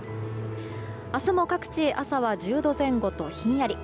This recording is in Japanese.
明日も各地朝は１０度前後とひんやり。